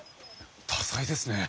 多才ですね。